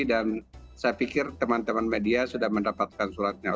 saya pikir teman teman media sudah mendapatkan suratnya